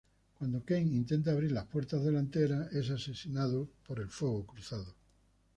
Cuando Kent intenta abrir las puertas delanteras, es asesinado en el fuego cruzado.